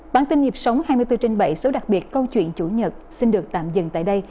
bản tin nhịp sống hai mươi bốn trên bảy số đặc biệt câu chuyện chủ nhật xin được tạm dừng tại đây